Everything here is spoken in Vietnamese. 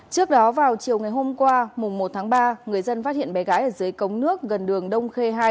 trước đó vào chiều ngày hôm qua mùng một tháng ba người dân phát hiện bé gái ở dưới cống nước gần đường đông khê hai